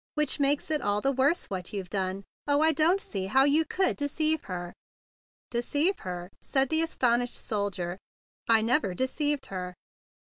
Which makes it all the w r orse what you've done. Oh, I don't see how you could deceive her." "Deceive her?" said the astonished soldier. "I never deceived her."